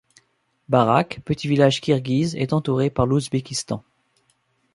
Barak, petit village kirghiz, est entouré par l'Ouzbékistan.